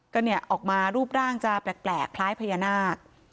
ก็เนี่ยออกมารูปร่างจะแปลกคล้ายพญานาค